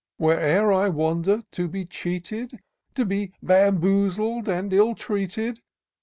Where'er I wander, to be cheated. To be bamboozled and ill treated